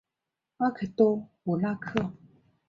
阿克多武拉克。